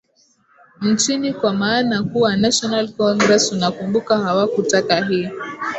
nchini kwa maana kuwa national congress unakumbuka hawakutaka hii